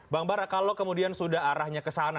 bang bara kalau kemudian sudah arahnya ke sana